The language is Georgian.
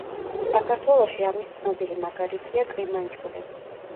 საქართველოში ამის ცნობილი მაგალითია კრიმანჭული.